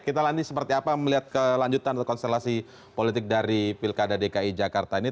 kita nanti seperti apa melihat kelanjutan atau konstelasi politik dari pilkada dki jakarta ini